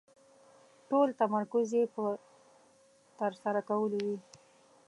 ټول تمرکز يې په ترسره کولو وي.